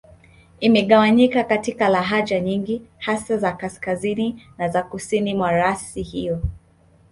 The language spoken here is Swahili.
Imegawanyika katika lahaja nyingi, hasa za Kaskazini na za Kusini mwa rasi hiyo.